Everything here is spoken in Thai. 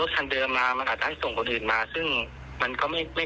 แต่โดยความที่ตอนนี้มันมาถึงที่บ้านไงเลย